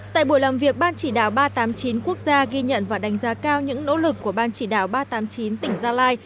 tại buổi làm việc ban chỉ đạo ba trăm tám mươi chín quốc gia ghi nhận và đánh giá cao những nỗ lực của ban chỉ đạo ba trăm tám mươi chín tỉnh gia lai